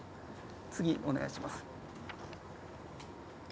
次お願いします。